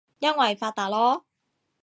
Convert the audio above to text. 因爲發達囉